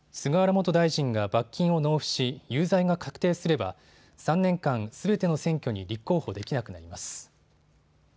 元大臣が罰金を納付し有罪が確定すれば３年間、すべての選挙に立候補できなくなります。